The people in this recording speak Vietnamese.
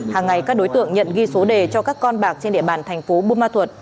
hàng ngày các đối tượng nhận ghi số đề cho các con bạc trên địa bàn thành phố buôn ma thuột